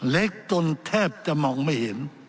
เล็กจนแทบจะมองไม่เห็น